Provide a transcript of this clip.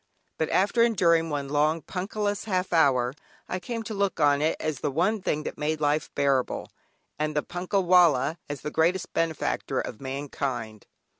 But after enduring one long Punkahless half hour, I came to look on it as the one thing that made life bearable, and the "Punkah wallah" as the greatest benefactor of mankind.